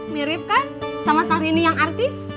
mirip kan sama sahrini yang artis